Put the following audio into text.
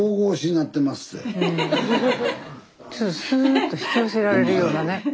スタジオスーッと引き寄せられるようなね。